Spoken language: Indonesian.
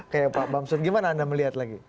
kayak pak bamsud gimana anda melihat lagi